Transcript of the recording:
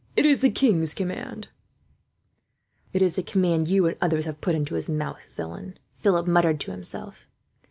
It is the king's command." "It is the command you and others have put into his mouth, villain!" Philip muttered to himself.